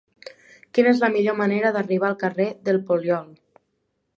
Quina és la millor manera d'arribar al carrer del Poliol?